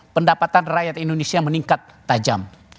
pendapatan rakyat indonesia meningkat tajam